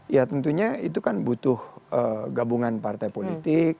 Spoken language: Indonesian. ya tentunya itu kan butuh gabungan partai politik